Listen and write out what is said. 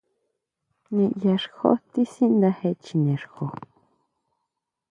¿Niyá xjo tisanda je chjine xjo?